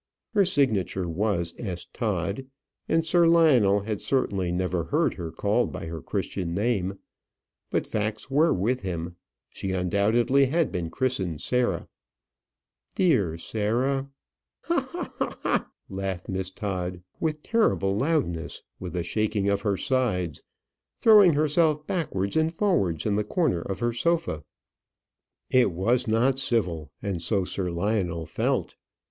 Her signature was S. Todd; and Sir Lionel had certainly never heard her called by her Christian name. But facts were with him. She undoubtedly had been christened Sarah. "Dear Sarah! " "Ha! ha! ha! Ha! ha! ha!" laughed Miss Todd, with terrible loudness, with a shaking of her sides, throwing herself backwards and forwards in the corner of her sofa. It was not civil, and so Sir Lionel felt.